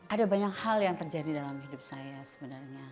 ada banyak hal yang terjadi dalam hidup saya sebenarnya